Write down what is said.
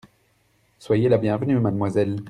Soyez la bienvenue, mademoiselle.